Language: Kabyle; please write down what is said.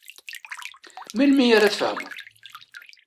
Melmi ara tfehmeḍ?